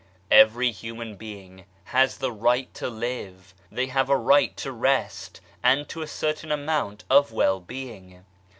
Every human being has the right to live ; they have a right to rest, and to a certain amount of well being.